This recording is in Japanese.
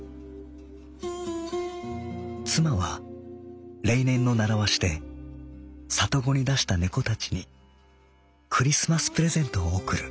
「妻は例年のならわしで里子にだした猫たちにクリスマスプレゼントを贈る。